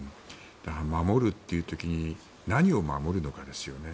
守るという時に何を守るかですよね。